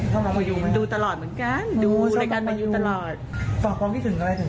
ฝากพร้อมพี่ถึงอะไรถึงพิธีกรแล้วไหมคะพี่